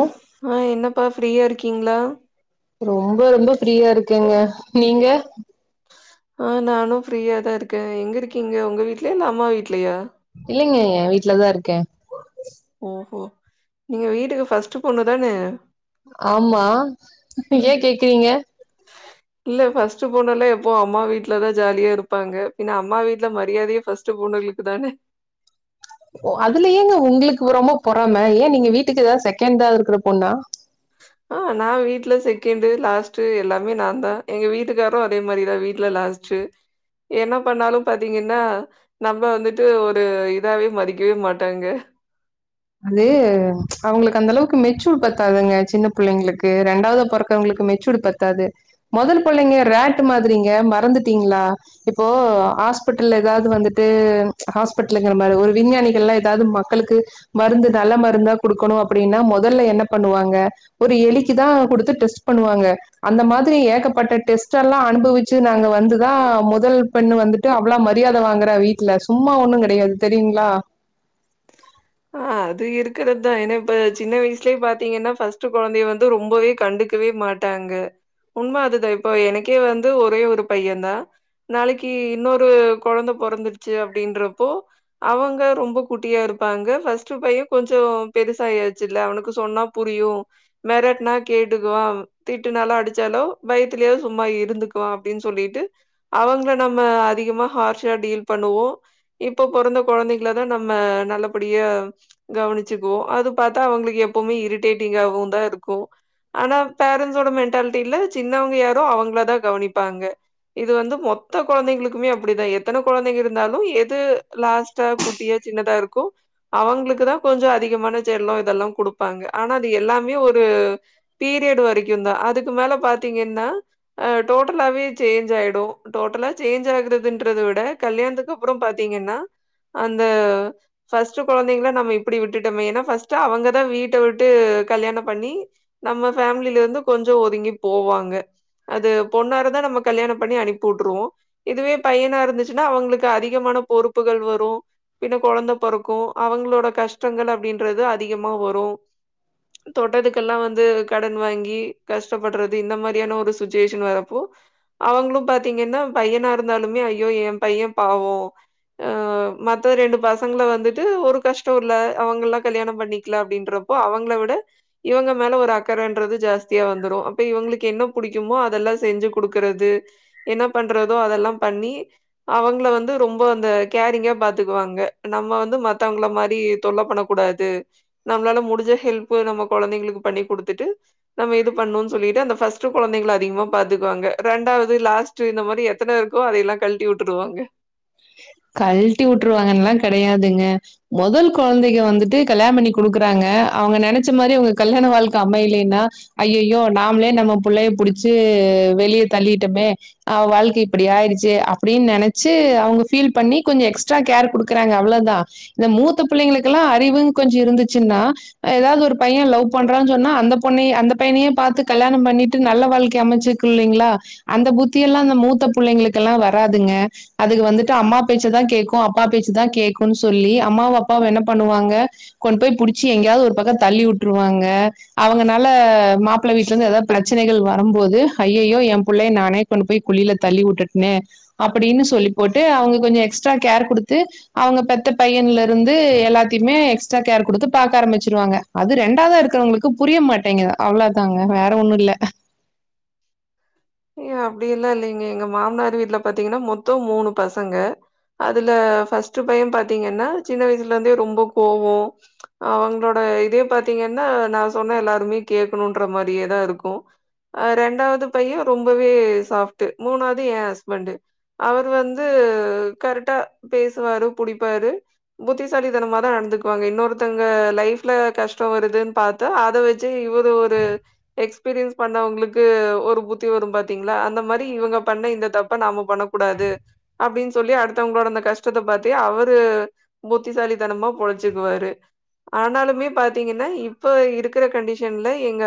உம் ஆ என்னப்பா ஃப்ரீயா இருக்கீங்களா ரொம்ப ரொம்ப ஃப்ரீயா இருக்கேங்க நீங்க ஆ நானும் ஃப்ரீயா தான் இருக்கேன் எங்க இருக்கீங்க உங்க வீட்லயா இல்ல அம்மா வீட்லயா இல்லைங்க என் வீட்டு்லதான் இருக்கேன் ஓஹோ நீங்க வீட்டுக்கு ஃபர்ஸ்ட் பொண்ணுதான ஆமா ஏ கேக்குறீங்க [inaudible] இல்ல ஃபர்ஸ்ட் பொண்ணுலா எப்பவும் அம்மா வீட்டுல தா ஜாலியா இருப்பாங்க பின்ன அம்மா வீட்டுல மரியாதையே ஃபர்ஸ்ட் ஃபர்ஸ்ட் பொண்ணுங்களுக்கு தானே ஓ அதுல ஏங்க உங்களுக்கு ரொம்ப பொறாம ஏன் நீங்க வீட்டுக்கு ஏதாவது செகண்டா இருக்கற பொண்ணா ஆ நா வீட்டுல செகண்டு் லாஸ்ட்டு எல்லாமே நா தா எங்க வீட்டுக்காரும் அதே மாதிரிதா வீட்டுல லாஸ்ட் என்ன பண்ணாலும் பாத்தீங்கன்னா நம்ம வந்துட்டு ஒரு இதாவே மதிக்கவே மாட்டாங்க அது அவங்களுக்கு அந்த அளவுக்கு மெச்சூர்டு பத்தாதுங்க சின்ன புள்ளைங்களுக்கு ரெண்டாவது பொறக்கவங்களுக்கு மெச்சூர்டு பத் த்தாது முதல் புள்ளைங்க ரேட் மாதிரிங்க மறந்துட்டீங்களா இப்போ ஹாஸ்பிட்டல்ல ஏதாவது வந்துட்டு ஹாஸ்பிட்டகிறன் பாரு ஒரு விஞ்ஞானிகள் எல்லாம் எதாவது ஒரு மக்களுக்கு மருந்து நல்ல மருந்தா கொடுக்கணு அப்படின்னா முதல்ல என்ன பண்ணுவாங்க ஒரு எலிக்கு தா குடுத்து டெஸ்ட் பண்ணுவாங்க அந்த மாதிரி ஏகப்பட்ட டெஸ்ட் எல்லாம் அனுபவிச்சு நாங்க வந்துதான் முதல் பெண்ணு வந்துட்டு அவ்ள மரியாத வாங்குறா வீட்டுல சும்மா ஒண்ணும் கிடையாது தெரியுங்களா ஆ அது இருக்கறது தா ஏன்னா இப்ப சின்ன வயசுலயே பாத்தீங்கன்னா ஃபர்ஸ்ட் குழந்தைய வந்து ரொம்பவே கண்டுக்கவே மாட் ட்டாங்க உண்ம அதுதான் இப்போ எனக்கே வந்து ஒரே ஒரு பையன் தான் நாளைக்கி இன்னொரு குழந்த பொறந்துருச்சு அப்படின்றப்போ அவங்க ரொம்ப குட்டியாருக்கு ப்பாங்க ஃபர்ஸ்ட் பைய கொஞ்ச பெருசாயாச்சுல்ல அவனுக்கு சொன்னா புரியும் மெரட்டுனா கேட்டுக்குவா திட்டுனாலோ அடிச்சாலோ பயத்துலயே சும்மா இருந்துக்குவா அப்படின்னு சொல்லிட்டு அவங்கள நம்ம அதிகமா ஹார்ஷா டீல் பண்ணுவோ இப்போ பொறந்த குழந்தைகளதா நம்ம நல்ல அப்படியா கவனிச்சுக்குவோ அது பார்த்தா அவங்களுக்கு எப்பவுமே இரிட்டேட்டிங்காகவு தா இருக்கு ஆனா பேரண்ட்ஸோட மென்டாலிட்டில சின்னவங்க யாரோ அவங்களதா கவனிப்பாங்க இது வந்து மொத்த குழந்தைகளுக்குமே அப்படிதா எத்தன குழந்தைங்க இருந்தாலும் எது லாஸ்ட் லாஸ்டா குட்டியா சின்னதா இருக்கோ அவங்களுக்கு தான் கொஞ்சம் அதிகமான செல்லம் இதெல்லாம் குடுப்பாங்க ஆனா அது எல்லாமே ஒரு பீரியட் வரைக்கும் தா அதுக்கு மேல பாத்தீங்கன்னா அ டோட்டலாவே சேஞ்ச் ஆயிடும் டோட்டலா சேஞ்ச் ஆகுறதுன்றத விட கல்யாணத்துக்கு அப்பறம் பாத்தீங்கன்னா அந்த ஃபஸ்ட் கொழந்தைங்கள நம்ம இப்டி விட்டுட்டோமே ஏன்னா ஃபர்ஸ்ட் அவுங்கதா வீட்ட விட்டு கல்யானோ பண்ணி நம்ம ஃபேமிலிலருந்து கொஞ்சோ ஒதுங்கி போவாங்க அது பொண்ணாருந்தா நம்ம கல்யாணோ பண்ணி அனுப்பி வுட்டுருவோ இதுவே பையனா இருந்துச்சுன்னா அவுங்களுக்கு அதிகமான பொறுப்புகள் வரு பின்ன கொழந்த பொறப் க்கோ அவுங்களோட கஷ்டங்கள் அப்டின்றது அதிகமா வரு தொட்டதுக்கெல்லா வந்து கடன் வாங்கி கஷ்டப்படுறது இந்த மாதிரியான ஒரு சிச்சுவேஷன் வரப்போ அவுங்கள பாத்தீங்கன்னா பையனா இருந்தாலுமே ஐயோ என் பைய பாவோ அ மத்த ரெண்டு பசங்கள வந்துட் ட்டு ஒரு கஷ்டோ இல்ல அவுங்க எல்லா கல்யாணோ பண்ணிக்கல அப்டின்றப்போ அவுங்கள விட இவுங்க மேல ஒரு அக்கறன்றது ஜாஸ்தியா வந்துரு அப்ப இவுங்களுக்கு என்ன புடிக்குமோ அதெல்லா செஞ்சு குடுக்குறது என்ன பண்றதோ அதெல்லா பண்ணி அவுங்கள வந்து ரொம்ப அந்த கேரிங்கா பாத்துக்குவாங்க நம்ம வந்து மத் மத்வங்கள மாரி தொல்ல பண்ண கூடாது நம்மளால முடிஞ்ச ஹெல்ப் நம்ம கொழந்தைங்களுக்கு பண்ணி குடுத்துட்டு நம்ம இது பண்ணுன் சொல்லிட்டு அந்த ஃபர்ஸ்ட் கொழந்தைகள அதிகமா பாத்துக்குவாங்க ரெண்டாவது லாஸ்ட் இந்த மாரி எத்தன இருக்கோ அதையெல்லா கழட்டி விட்ருவாங்க கழ்ட்டி உட்ருவாங்கன்ல்லா கெடையாதுங்க முதல் கொழந்தைக வந்துட்டு கல்யாண பண்ணி குடுக்குறாங்க அவுங்க நெனைச்ச மாரி உங்க கல்யாண வாழ்க்க அமையலன்னா ஐயய்யோ நாமளே நம்ம புள்ளைய புடிச்சு வெளிய தள்ளிட்டமே அவ வாழ்க்க இப்டி ஆயிடுச்சே அப்டின்னு நெனைச்சு அவுங்க ஃபீல் பண்ணி கொஞ்சோ எக்ஸ்ட்ரா கேர் குடுக்குறாங்க அவ்ளோதா இந்த மூத்த பிள்ளைங்களுக்கு எல்லா அறிவுனு கொஞ்சோ இருந்துச்சுன்னா ஏதாது ஒரு பையன் லவ் பண்றான் சொன்னா அந்த பொண்ணை அந்த பையனையே பாத்து கல்யாணோ பண்ணிட்டு நல்ல வாழ்க்கைய அமைச்சு ருக்குல்லைங்ளா அந்த புத்தி எல்லா அந்த மூத்த புள்ளைங்களுக்கு எல்லா வராதுங்க அதுக வந்துட்டு அம்மா பேச்ச தா கேட்கு அப்பா பேச்சுதா கேக்குன்னு சொல்லி அம்மாவு அப்பாவு என்ன பண்ணுவாங்க கொண்டு போய் புடிச்சி எங்கேயாது ஒரு பக்கோ தள்ளி விட்டுருவாங்க அவுங்கனால மாப்பிள்ள வீட்ல இருந்து ஏதாது பிரச்சனைகள் வரும்போது அய்யய்யோ எயா பிள்ளைய நானே கொண்டு போய் குழில தள்ளி உட்டுட்டேனே அப்டின்னு சொல்லி போட்டு அவுங்க கொஞ்சோ எக்ஸ்ட்ரா கேர் குடுத்து அவுங்க பெத்த பையன்ல இருந்து எல்லாத்தையுமே எக்ஸ்ட்ரா கேர் குடுத்து பாக்க ஆரம்பிச்சிருவாங்க அது ரெண்டாதா இருக்குறவங்களுக்கு புரிய மாட்டேங்குது அவ்ளோதாங்க வேற ஒண்ணு இல்ல அப்டியெல்லா இல்லைங்க எங்க மாமனார் வீட்ல பாத்தீங்கன்னா மொத்தோ மூணு பசங்க அதுல ஃபர்ஸ்ட் பையன் பாத்தீங்கன்னா சின்ன வயசுல இருந்தே ரொம்ப கோவோ அவுங்களோட இதே பாத்தீங்கன்னா நா சொன்ன எல்லாருமே கேக்கணும்ன்ற மாதிரியேதா இருக்கு அ ரெண்டாவது பைய ரொம்பவே சாஃப்ட்டு மூணாவது என் ஹஸ்பண்ட்டு அவரு வந்து கரெக்டா பேசுவாரு புடிப்பாரு புத்திசாலிதனமா தா நடந்துக்குவாங்க இன்னொருத்தவுங்க லைஃப்ல கஷ்டோ வருதுன்னு பாத் த்து அத வச்சு இவரு ஒரு எக்ஸ்பீரியன்ஸ் பண்ணவுங்களுக்கு ஒரு புத் த்தி வரும் பாத்தீங்களா அந்த மாதிரி இவுங்க பண்ண இந்த தப்ப நாம பண்ண கூடாது அப்டின்னு சொல்லி அடுத்தவுங்களோட அந்த கஷ்டத்த பாத்தே அவரு புத்திசாலித்தனமா பொழச்சுக்குவாரு ஆனாலுமே பாத்தீங்கன்னா இப்ப இருக்கிற கண்டிஷன்ல எங்க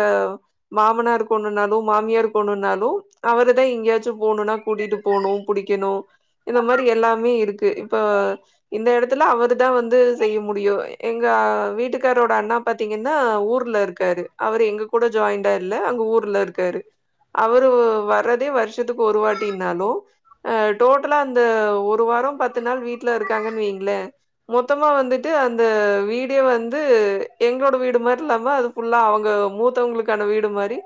மாமனாருக்கு ஒன்னுனாலும் மாமியார் போணுனாலு அவருதா எங்கயாச்சு போணும்னா கூட்டிட்டு போணு புடிக்கணு இந்த மாதிரி எல்லாமே இருக்கு இப்ப இந்த இடத்துல அவரு தா வந்து செய்ய முடியு எங்க அ வீட்டுக்காரோட அண்ணா பாத்தீங்கன்னா ஊர்ல இருக்காரு அவரு எங்க கூட ஜாயிண்ட் ஆ இல்ல அங்க ஊர்ல இருக்காரு அவரு வர்றதே வருஷத்துக்கு ஒரு வாட்டினாலும் அ டோட்டலா அந்த ஒரு வாரோ பத்து நாள் வீட்ல இருக்காங்கன்னு வைங்களே மொத்தமா வந்துட்டு அந்த வீடே வந்து எங்களோட வீடு மாரில்லாம அது ஃபுல்லா அவங்க மூத்தவங்களுக்கான வீடு மாரி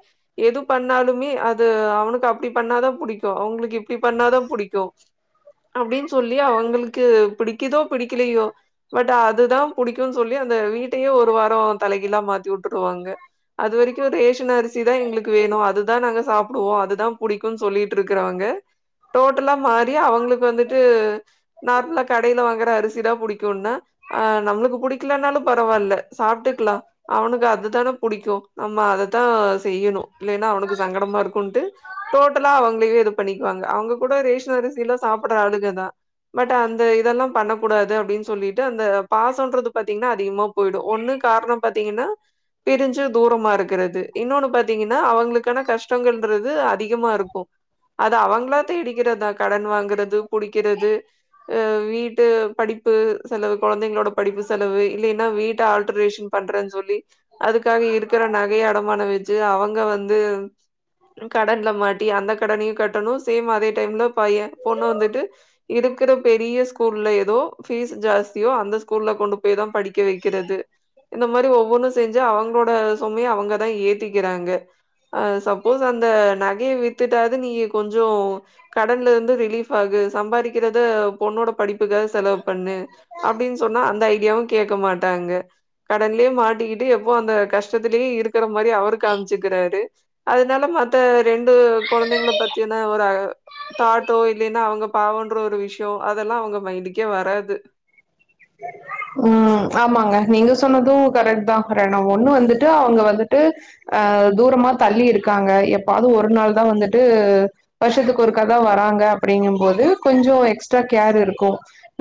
எதூ பண்ணாலுமே அது அவனுக்கு அப்படி பண்ணாதா புடிக்கு அவங்களுக்கு இப்படி பண்ணாதா புடிக்கு அப்படின்னு சொல்லி அவங்களுக்கு பிடிக்குதோ பிடிக்கலையோ பட் அதுதா புடிக்கும்னு சொல்லி அந்த வீட்டையே ஒரு வாரோ தலைகீழா மாத்தி விட்டுருவாங்க அது வரைக்கு ரேஷன் அரிசி தா எங்களுக்கு வேணு அதுதா நாங்க சாப்டுவோ அதுதா புடிக்குன் சொல்லிட்ருக்கறவங்க டோட்டலா மாறி அவங்களுக்கு வந்துட்டு நார்மலா கடையில வாங்குற அரிசிதா புடிக்குனா ஆ நம்மளுக்கு புடிக்கலனாலு பரவாயில்ல சாப்பிட்டுக்கலா அவனுக்கு அதுதானே புடிக்கு நம்ம அத தா செய்யணு இல்லைன்னா அவனுக்கு சங்கடமா இருக்குன்ட்டு கு டோட்டலா அவங்களே இது பண்ணக்குவாங்க அவங்க கூட ரேஷ அரிசியில சாப்புட்ற ஆளுகதா பட் அந்த இதெல்லா பண்ணக்க கூடாது அப்டின்னு சொல்லிட்டு அந்த பாசம்றது பத்தீங்ன்னா அதிகமா போயிடு ஒன்னு காரணோ பாத்தீங்கன்னா பிரிஞ்சு தூரமா இருக்கிறது இன்னொன்னு பாத்தீங்கன்னா அவங்களுக்கான கஷ் கஷ்டங்கள்றது அதிகமாருக்கு அது அவங்ளா தேடிக்கிறத்தா கடன் வாங்கறது குடிக்கிறது அ வீட்டு படிப்பு செலவ் குழந்தைங்களோட படிப்பு செலவு இல்லைன்னா வீட்ட ஆல்ட்ரேஷன் பண்றே தோழி அதுக்காக இருக்கிற நகைய அடமானோ வெச்சு அவங்க வந்து ப்ற கடன்ல மாட்டி அந்த கடனியு கட்டணு சேம் அதே டைம்ல பைய பொண்ணு வந்துட்டு இருக்கிற பெரிய ஸ்கூல்ல ஏதோ ஃபீஸ் ஜாஸ்தியோ அந்த ஸ்கூல்ல கொண்டு போய் தா படிக்க வெக்கிறது இந்த மாரி ஒவ்வொன்னு செஞ்சு அவங்கோட சொமைய அவங்கதா ஏத்திக்கிறாங்க அசப் சப்போஸ் அந்த நகைய வித்துட்டாவ்து நீங்க கொஞ்சொ கடன்லெர்ந்து ரிலீஃப் ஆகு சம்பாரிக்கிறத பொண்ணோட படிப்புக்காக செலவ் பண்ணு அப்டின் சொன்னா அந்த ஐடியாவு கேக்க மாட்டாங்க கடன்லே மாட்டிக்கிட்டு எப்போ அந்த கஷ்டத்துலே இருக்கற மாரி அவரு காமிச்சுக்குறாரு அதுனால மத்த ரெண்டு கொழந்தைங்கள பத்தின்ன ஒரு அ தாட்டோ இல்லேன்னா அவங்க பாவோன்ற ஒரு விஷியோ அதெல்லா அவங்க மைண்டுக்கே வராது [inaudible] உம் ஆமாங்க நீங்க சொன்னது கரெக்ட்தா அப்புரோ நா ஒன்னு வந்துட்டு அவங்க வந்துட்டு ஆ தூரமா தள்ளி இருக்காங்க எப்பாவது ஒரு நாள் தா வந்துட்டு வருஷத்துக்கு ஒருக்கா தா வராங்க அப்படிங்கும்போது கொஞ்சு எக்ஸ்ட்ரா கேர் இருக்கு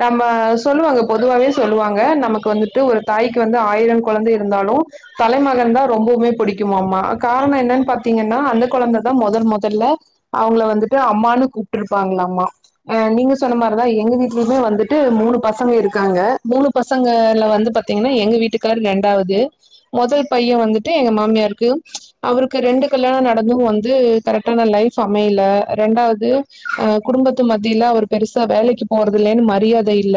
நம்ம சொல்லுவாங்க பொதுவாவே சொல்லுவாங்க நம்மக்கு வந்துட்டு ஒரு தாய்க்கு வந்து ஆயிரங்கொழந்த இருந்தாலு தலைமகன் தா ரொம்பவுமே பிடிக்குமாம்மா காரணோ என்னன்னா பாத்தீங்கன்னா அந்த கொழந்தைதா மொதல் மொதல்ல அவுங்கள வந்துட்டு அம்மான்னு கூப்டுர்ப்பாங்ளாம்மா அ நீங்க சொன்ன மாரிதா எங்க வீட்லயுமே வந்துட்டு மூணு பசங்க இருக்கு காங்க மூணு பசங்கல வந்து பாத்தீங்கன்னா எங்க வீட்டுக்காரு ரெண்டாவுது மொதல் பைய வந்துட்டு எங்க மாமியாருக்கு அவருக்கு ரெண்டு கல்யாணம் நடந்தும் வந்து கரெக்டான லைஃப் அமையல ரெண்டாவது அ குடும்பத்து மத்தியுல்ல அவரு பெருசா வேலைக்கு போறதில்லைன்னு மரியாத இல்ல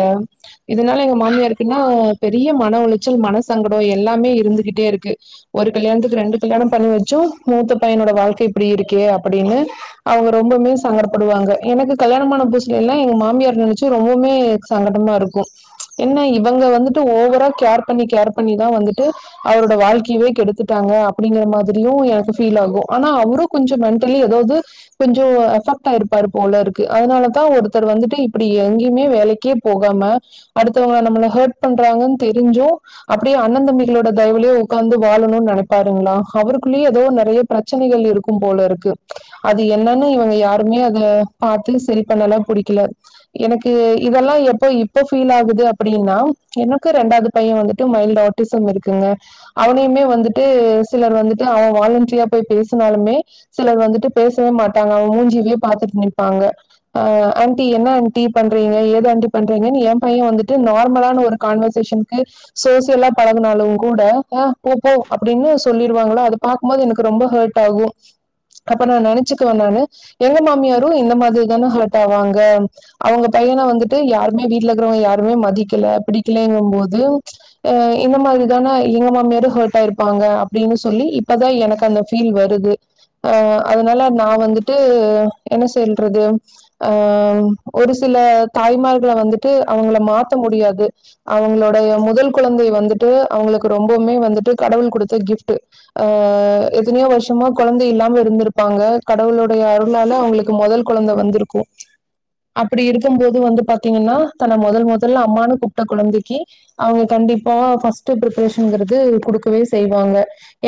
இதனால எங்க மாமியாருக்குன்னா பெரிய மன உளைச்சல் மன சங்கடொ எல்லாமே இருந்துகிட்டேருக்கு. ஒரு கல்யாண்த்துக்கு ரெண்டு கல்யாணம் பண்ணி வச்சு மூத்த பையனோட வாழ்க்கை இப்டி இருக்கே அப்படின்னு.. அவுங்க ரொம்பமே சங்கடப்படுவாங்க எனக்கு கல்யாணமான புஸ்சுல எல்லா எங்க மாமியார் நெனைச்சு ரொம்பொமே சங்கட்டமாருக்கு என்ன இவங்க வந்துட்டு ஓவரா கேர் பண்ணி கேர் பண்ணி தா வந்துட்டு அவரோட வாழ்க்கையே கெடுத்துட்டாங்க அப்படிங்கிற மாதிரியு எனக்கு ஃபீல் ஆகு ஆனா அவரு கொஞ்சொ மென்ட்டலி எதாவ்து கொஞ்சொ எஃபெக்ட் ஆயிருப்பாரு போலருக்கு அதனாலத்தா ஒருத்தரு வந்துட்டு இப்டி எங்கியுமே வேலைக்கே போகாம அடுத்தவங்க நம்மள ஹெர்ட் பண்றாங்கன் தெரிஞ்சு அப்டியே அண்ணந்தம்பிங்களோட தயவுலே உக்காந்து வாழணு நனைப்பாருங்களா அவருக்குள்ளயே ஏதோ நெறைய பிரச்சனைகள் இருக்கும் போலருக்கு அது என்னன்னு இவங்க யாருமே அத பாத்து செரி பண்ணல புடிக்கல எனக்கு இதெல்லா எப்ப இப்ப ஃபீல் ஆகுது அப்டின்னா எனக்கு ரெண்டாவது பையே வந்துட்டு மைல்ட் ஆட்டிசம் இருக்குங்க அவனையுமே வந்துட்டு சிலர் வந்துட்டு அவ வாலண்டரியா போய் பேசுனாலுமே சிலர் வந்துட்டு பேசவே மாட்டாங்க அவங்க மூஞ்சியவே பாத்துட்டு நிப்பாங்க ஆ ஆண்டி என்ன ஆண்டி பண்றீங்க ஏது ஆண்டி பண்றீங்கனு ஏன் பைய வந்துட்டு நார்மலான ஒரு கான்வர்சேஷன்க்கு சோசியலா பழகுனாலும் கூட ஆ போ போ அப்டினு சொல்லிருவாங்களா அத பாக்குபோது எனக்கு ரொம்ப ஹட் டாகு அப்ப நா நனச்சுக்கவ நானு எங்க மாமியாரு இந்த மாதிரி தான ஹட் ஆவாங்க அவுங்க பையன வந்துட்டு யாருமே வீட்ல அப்றோ யாருமே மதிக்கில பிடிக்கலங்கு போது அ இந்த மாரி தான எங்க மாமியாரு ஹர்ட் ஆயிருப்பாங்க அப்டினு சொல்லி இப்பதா எனக்கு அந்த ஃபீல் வருது அ அதனால நா வந்துட்டு என்ன சொல்றது ஆ ஒரு சில தாய்மார்கள வந்துட்டு அவங்கள மாத்த முடியாது அவங்களோடைய முதல் கொழந்தை வந்துட்டு அவங்களுக்கு ரொம்பவுமே வந்துட்டு கடவுள் குடுத்த கிஃப்ட்டு அ எத்தனையோ வருஷமோ கொழந்தை இல்லாம இருந்துருப்பாங்க கடவுளுடைய அருளால அவுங்களுக்கு மொதல் கொழந்த வந்திருக்கு அப்டி இருக்கு போது வந்து பாத்தீங்கன்னா தன்ன மொதல் மொதல்ல அம்மானு கூப்ட்ட கொழந்தைக்கி அவுங்க கண்டிப்பா ஃபர்ஸ்ட்டு ப்ரிப்ரேஷன்ங்கறது குடுக்கவே செய்வாங்க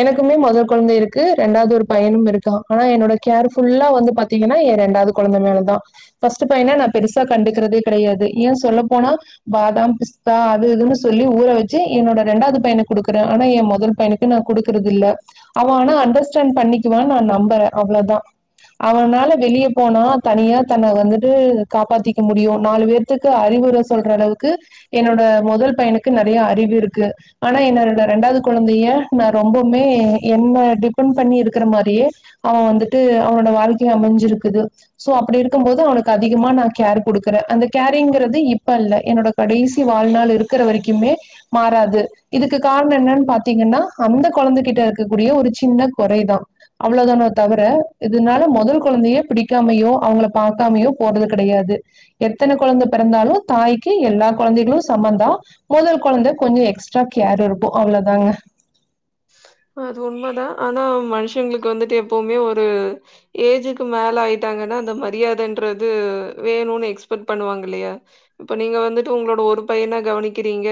எனக்குமே மொதல் கொழந்தை இருக்கு ரெண்டாது ஒரு பையனும் இருக்கான் ஆனா என்னோட கேர் ஃபுல்லா வந்து பத் தீங்கனா எ ரெண்டாது கொழந்த மேல தான ஃபஸ்ட்டு பையன நா பெருசா கண்டுகறதே கடையாது ஏன் சொ சொல்ல போனா பாதாம் பிஸ்தா அது இதுன்னு சொல்லி ஊற வச்சு என்னோட ரெண்டாது பையனுக் குடுக்குறே ஆனா எ மொதல் பையனுக் ன்ன நா குடுக்குறது இல்ல அவன் ஆனா அண்டர்ஸ்டாண்ட் பண்ணிக்குவான் நா நம்புறே அவ்ளோதா அவனால வெளிய போனா தனியா தன்ன வந்துட்டு காப்பாத்திக்க முடியு நாலு பேர்த்க் கு அறிவுர சொல்ற அளவுக்கு என்னோட மொதல் பையனுக்கு நெறைய அறிவு இருக்கு ஆனா என்னோட இந்த ரெண்டாது கொழந்தைய நா ரொம்பவுமே என்ன டிபெண்ட் பண்ணி இருக்கற மாரியே அவன் வந்துட்டு அவனோட வாழ்க்கைய அமஞ்சிருக்குது சோ அப்டி இருக்கும் போது அவனுக்கு அதிகமா நா கேர் குடுக்குறே அந்த கேர் ங்கிறது இப்ப இல்ல என்னோட கடைசி வாழ்நாள் இருக்கற வரைக்குமே மாறாது இதுக்கு காரணம் என்னானு பாத்தீங்கன்னா அந்த கொழந்தகிட்ட இருக்கக்கூடிய ஒரு சின்ன கொறைதா அவ்ளோதான தவர இதனால மொதல் கொழந்தயே புடிக்காமையோ அவங்கள பாக்காமையோ போறது கெடையாது எத்தன கொழந்த பெறந்தாலு தாய்க்கி எல்லா கொழந்தைகளு சமந்தா மொதல் கொழந்த கொஞ்சோ எக்ஸ்ட்ரா கேர் இருக்கு அவ்ளோதாங்க அது உண்ம தா ஆனா மனுஷங்களுக்கு வந்துட்டு எப்பவுமே ஒரு ஏஜுக்கு மேல ஆயிட்டாங்கன்னா அந்த மரியாதன்றது வேணுனு எக்ஸ்பெக்ட் பண்ணுவாங்க இல்லயா இப்ப நீங்க வந்துட்டு உங்களோட ஒரு பையன கவனிக்கிறீங்க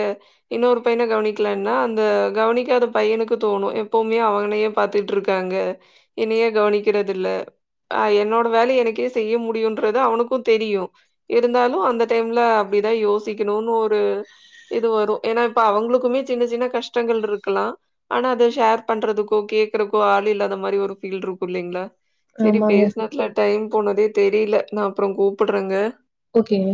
இன்னொரு பையன கவனிக்கலனா அந்த கவனிக்காத பையனுக்கு தோணும் எப்பவுமே அவனயே பாத்துட்டு இருக்காங்க என்னையே கவனிக்கறதுல்ல ஆ என்னோட வேலய எனக்கே செய்ய முடியுன்றது அவனுக்கு தெரியு இருந்தாலு அந்த டைம்ல அப்டிதா யோசிக்கணுனு ஒரு இது வரு ஏனா இப்ப அவங்களுக்குமே சின்ன சின்ன கஷ்டங்கள் இருக்கலா ஆனா அத ஷேர் பண்றதுக்கோ கேக்குறக்கோ ஆள் இல்லாத மாரி ஒரு ஃபீல் இருக்கு இல்லைங்களா செரி ஆமாங்க பேசனத்ல டைம் போனதே தெரில நா அப்றோ கூப்புட்றங்க ஓகேங்க